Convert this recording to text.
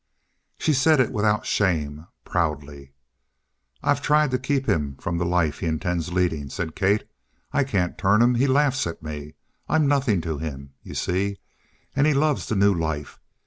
She said it without shame, proudly. "I've tried to keep him from the life he intends leading," said Kate. "I can't turn him. He laughs at me. I'm nothing to him, you see? And he loves the new life.